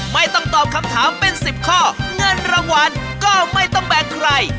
ไม่ต้องตอบคำถามเป็น๑๐ข้อเงินรางวัลก็ไม่ต้องแบ่งใคร